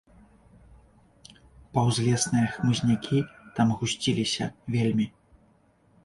Паўзлесныя хмызнякі там гусціліся вельмі.